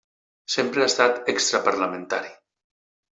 Sempre ha estat extraparlamentari.